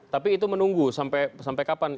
tapi itu menunggu sampai kapan